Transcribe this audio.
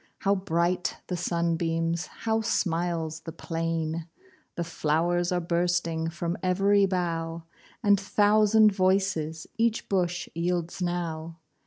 How bright the sunbeams! How smiles the plain! The flow'rs are bursting From ev'ry bough, And thousand voices Each bush yields now.